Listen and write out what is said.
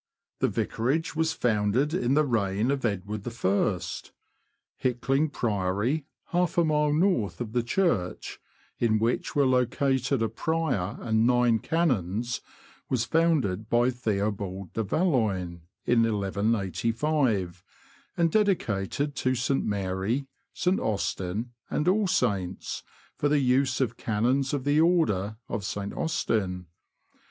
The vicarage was founded in the reign of Edward I. Hickling Priory, half a mile north of the church, in which were located a prior and nine canons, was founded by Theobald de Valoins, in 1185, and dedicated to St. Mary, St. Austin, and All Saints, for the use of canons of the order of St. Austin.